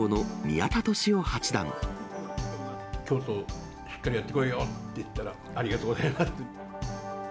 京都、しっかりやってこいよと言ったら、ありがとうございますって。